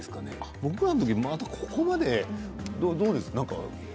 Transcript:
僕らの時代、ここまでどうですか？